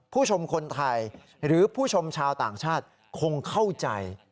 ผู้ชมคนไทยหรือผู้ชมชาวต่างชาติคงเข้าใจ